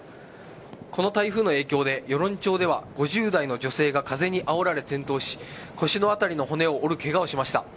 この台風の影響で与論町では５０代の女性が風にあおられ転倒し腰のあたりの骨を折るけがをしました。